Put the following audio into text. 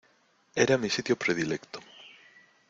Era mi sitio predilecto.